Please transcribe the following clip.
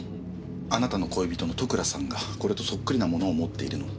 あなたの恋人の戸倉さんがこれとそっくりなものを持っているのを。